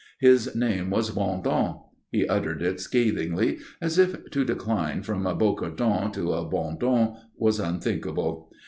His name was Bondon he uttered it scathingly, as if to decline from a Bocardon to a Bondon was unthinkable.